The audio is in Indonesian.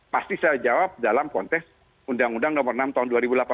pasti saya jawab dalam konteks undang undang nomor enam tahun dua ribu delapan belas